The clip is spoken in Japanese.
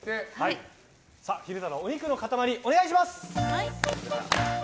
昼太郎、お肉の塊お願いします！